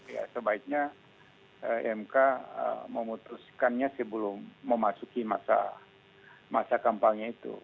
ya sebaiknya mk memutuskannya sebelum memasuki masa kampanye itu